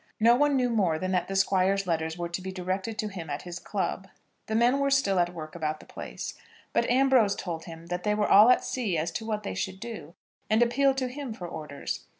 No one knew more than that the Squire's letters were to be directed to him at his Club. The men were still at work about the place; but Ambrose told him that they were all at sea as to what they should do, and appealed to him for orders.